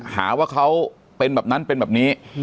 หาว่าเขาเป็นแบบนั้นเป็นแบบนี้